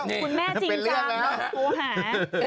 คุณแม่จริงโทรหา